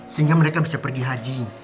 sehingga mereka bisa pergi haji